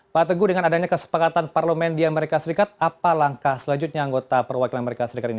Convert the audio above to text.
pak teguh dengan adanya kesepakatan parlemen di amerika serikat apa langkah selanjutnya anggota perwakilan amerika serikat ini